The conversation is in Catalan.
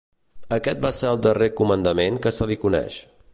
Aquest va ser el darrer comandament que se li coneix.